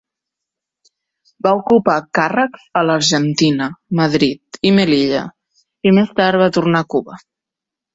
Va ocupar càrrecs a l'Argentina, Madrid i Melilla, i més tard va tornar a Cuba.